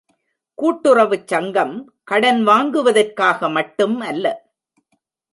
கூட்டுறவு சங்கம் கடன் வாங்குவதற்காக மட்டும் அல்ல.